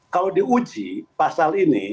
kalau diuji pasal ini